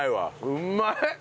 うまいっ！